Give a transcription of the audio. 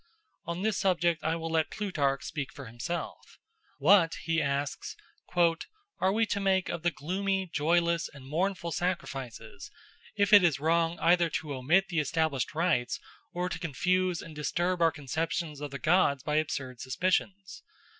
On this subject I will let Plutarch speak for himself. "What," he asks, "are we to make of the gloomy, joyless, and mournful sacrifices, if it is wrong either to omit the established rites or to confuse and disturb our conceptions of the gods by absurd suspicions?